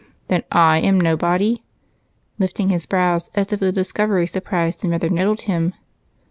"Then I am nobody?" he said, lifting his brows as if the discovery surprised and rather nettled him.